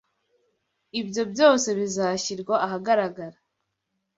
ibyo byose bizashyirwa ahagaragara